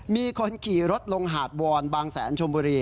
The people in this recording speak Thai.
มีคนขี่รถลงหาดวอนบางแสนชมบุรี